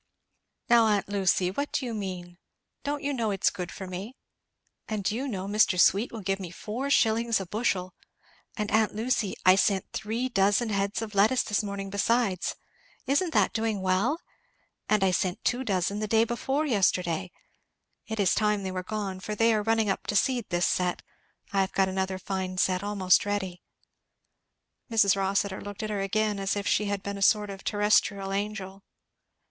"Now aunt Lucy! what do you mean? Don't you know it's good for me? And do you know, Mr. Sweet will give me four shillings a bushel; and aunt Lucy, I sent three dozen heads of lettuce this morning besides. Isn't that doing well? and I sent two dozen day before yesterday. It is time they were gone, for they are running up to seed, this set; I have got another fine set almost ready." Mrs. Rossitur looked at her again, as if she had been a sort of terrestrial angel.